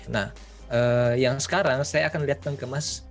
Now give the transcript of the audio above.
nah yang sekarang saya akan lihat penggemas